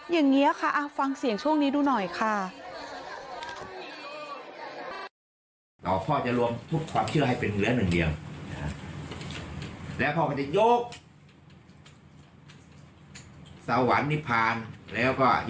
อย่างนี้ค่ะฟังเสียงช่วงนี้ดูหน่อยค่ะ